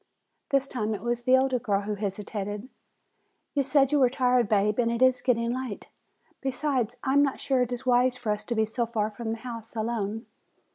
This time it was the older girl who hesitated. "You said you were tired, Bab, and it is getting late. Besides, I am not sure it is wise for us to be so far from the house alone."